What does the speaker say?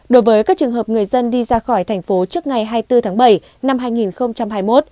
đối với các trường hợp người dân đi ra khỏi thành phố trước ngày hai mươi bốn tháng bảy năm hai nghìn hai mươi một